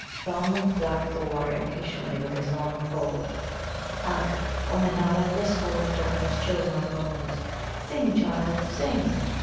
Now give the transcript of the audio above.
Thumb flapped the water impatiently with his long pole. "Ugh, Ummanodda, this hole of darkness chills my bones. Sing, child, sing!"